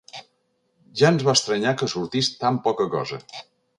Ja ens va estranyar que sortís tan poca cosa.